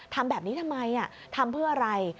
ทำแบบนี้ทำไมทำเพื่ออะไร